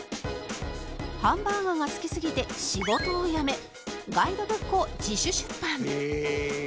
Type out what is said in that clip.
ハンバーガーが好きすぎて仕事を辞めガイドブックを自主出版